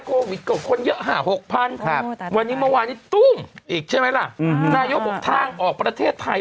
ครับวันนี้เมื่อวานนี้ตุ้งอีกใช่ไหมล่ะอืมนายกบอกทางออกประเทศไทย